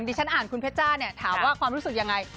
ที่ฉันอ่านคุณเพชจ้าเนี่ยถามว่าความรู้สึกยังไง